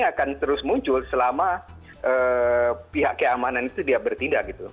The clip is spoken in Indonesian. ini akan terus muncul selama pihak keamanan itu dia bertindak gitu